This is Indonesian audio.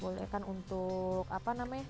boleh kan untuk apa namanya